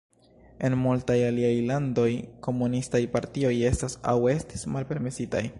En multaj aliaj landoj, komunistaj partioj estas aŭ estis malpermesitaj.